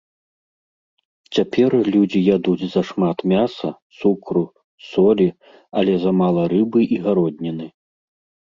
Цяпер людзі ядуць зашмат мяса, цукру, солі, але замала рыбы і гародніны.